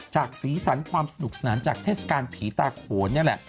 สีสันความสนุกสนานจากเทศกาลผีตาโขนนี่แหละ